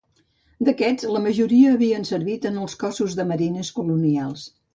D'aquests, la majoria havien servit en els Cossos de Marines Colonials.